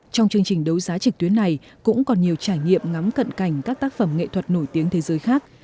trong chương trình đấu giá trực tuyến này cũng còn nhiều trải nghiệm ngắm cận cảnh các tác phẩm nghệ thuật nổi tiếng thế giới khác